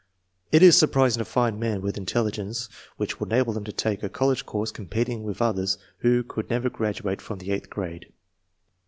It is surprising to find men with intelligence which would enable them to take a college course competing with others who could never graduate from the eighth grade.